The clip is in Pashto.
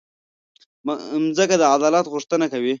مځکه د عدالت غوښتنه کوي.